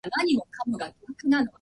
朝のパンは、クロワッサンにしようかな。